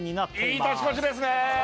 いい年越しですね